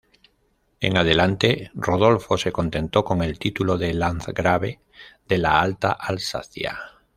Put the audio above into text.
En adelante, Rodolfo se contentó con el título de Landgrave de la Alta Alsacia.